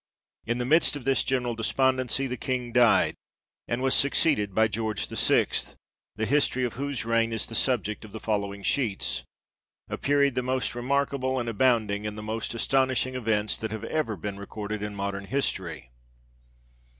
In the midst of this general despondency the King died, and was succeeded by George VI. the history of whose reign is the subject of the following sheets ; a period the most remarkable, and abounding in the most astonishing events, that have ever been recorded in modern history.